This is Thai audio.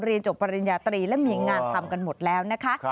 จบปริญญาตรีและมีงานทำกันหมดแล้วนะคะ